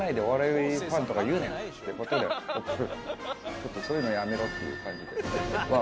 ちょっとそういうのやめろっていう感じでは怒ってます。